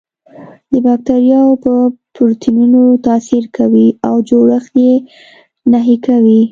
د باکتریاوو په پروتینونو تاثیر کوي او جوړښت یې نهي کوي.